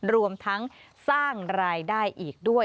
รวมทั้งสร้างรายได้อีกด้วย